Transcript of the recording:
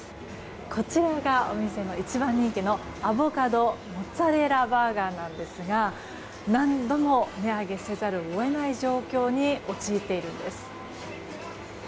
こちらがお店の一番人気のアボカドモッツァレラバーガーなんですが何度も値上げせざるを得ない状況に陥っているんです。